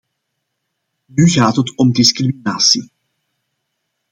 Nu gaat het om discriminatie.